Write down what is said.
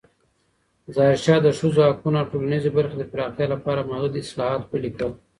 ظاهرشاه د ښځو حقونو او ټولنیزې برخې د پراختیا لپاره محدود اصلاحات پلې کړل.